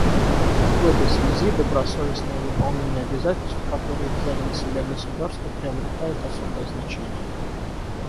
В этой связи добросовестное выполнение обязательств, которые взяли на себя государства, приобретает особое значение.